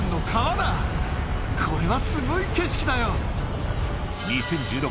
これはすごい景色だよ！